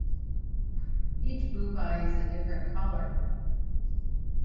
Each Boohbah is a different colour.